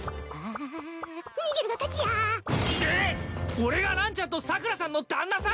俺がランちゃんとサクラさんの旦那さん！？